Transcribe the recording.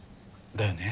だよね。